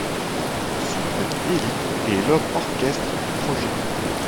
Xune Elipe est l'homme orchestre du projet.